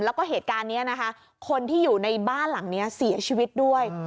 แล้วก็เหตุการณ์นี้นะคะคนที่อยู่ในบ้านหลังนี้เสียชีวิตด้วย